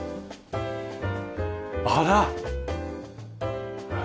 あら！